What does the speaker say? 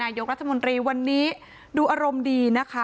นายกรรมดิวันนี้ดูอารมณ์ดีนะคะ